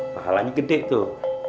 pahalanya gede tuh